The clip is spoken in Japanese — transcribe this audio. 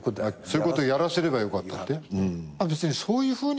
そういうことやらせればよかったって？